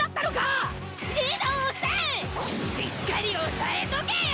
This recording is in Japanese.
しっかり押さえとけよ！